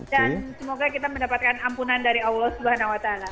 dan semoga kita mendapatkan ampunan dari allah swt